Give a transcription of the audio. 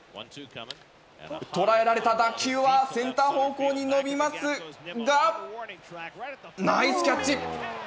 捉えられた打球はセンター方向に伸びますが、ナイスキャッチ。